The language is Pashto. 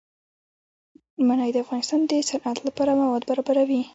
منی د افغانستان د صنعت لپاره مواد برابروي.